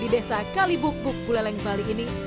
desa kalibuk buk buleleng bali ini